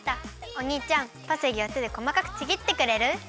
おにいちゃんパセリをてでこまかくちぎってくれる？